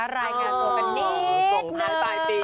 รายงานของเราเป็นนิดหนึ่ง